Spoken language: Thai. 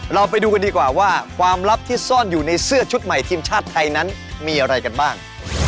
เราไปดูกันดีกว่าว่าความลับที่ซ่อนอยู่ในเสื้อชุดใหม่ทีมชาติไทยนั้นมีอะไรกันบ้าง